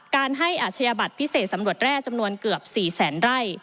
การให้อาชญาบัตรพิเศษสำรวจแร่จำนวนเกือบ๔แสนไร่